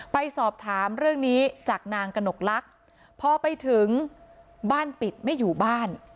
ไปสอบถามเรื่องนี้จากนางกระหนกลักษณ์พอไปถึงบ้านปิดไม่อยู่บ้าน